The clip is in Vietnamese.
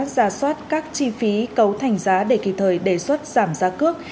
giả soát các chi phí cấu thành giá để kịp thời đề xuất giảm giá cướp